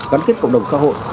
gắn kết cộng đồng xã hội